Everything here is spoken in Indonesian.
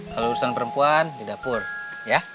kalau urusan perempuan di dapur ya